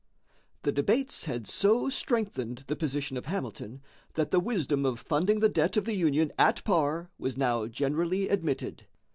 The debates had so strengthened the position of Hamilton that the wisdom of funding the debt of the Union at par was now generally admitted.